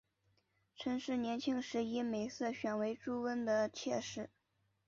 陈氏年轻时以美色选为朱温的妾室。